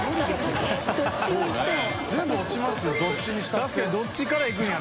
確かにどっちからいくんやろ。